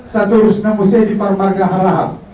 saturus namus sedi parmarga haraham